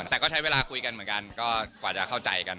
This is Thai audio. แต่ก็ใช้เวลาคุยกันเหมือนกันก็กว่าจะเข้าใจกัน